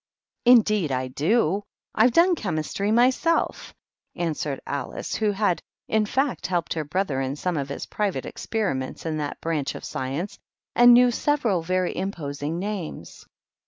"Indeed, I do; I've done Chemistry myself," answered Alice, who had, in fact, helped her brother in some of his private experiments in that branch of science, and knew several very imposing names.